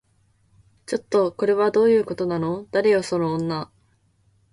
ちょっと、これはどういうことなの？誰よその女